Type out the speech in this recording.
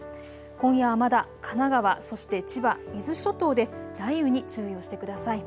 今夜はまだ神奈川、そして千葉、伊豆諸島で雷雨に注意をしてください。